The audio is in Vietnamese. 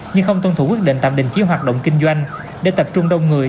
nhưng không tôn thủ quyết định tạm đình chí hoạt động kinh doanh để tập trung đông người